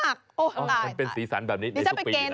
มันเป็นสีสันแบบนี้ในทุกปีนะ